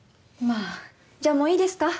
あじゃあもういいですか？